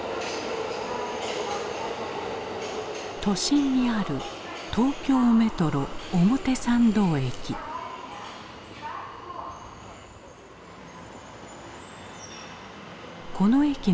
都心にある東京メトロ表参道駅。